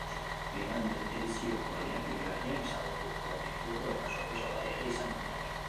Bigarren edizioko lehiakide berriak ezagutuko ditugu eta sorpresa ugari ere izango dira.